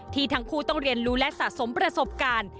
ทั้งคู่ต้องเรียนรู้และสะสมประสบการณ์